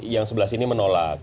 yang sebelah sini menolak